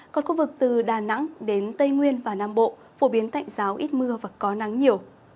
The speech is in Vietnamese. còn khu vực từ đà nẵng đến tây nguyên và nam bộ phổ biến tạnh giáo ít mưa và có nắng nhiều